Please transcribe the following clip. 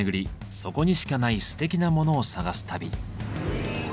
そこにしかないすてきなモノを探す旅。